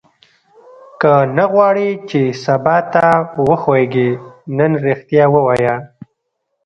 که نه غواړې چې سبا ته وښوېږې نن ریښتیا ووایه.